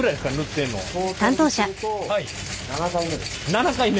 ７回目！？